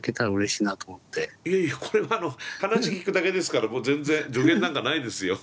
いやいやこれは話聞くだけですから全然助言なんかないですよ。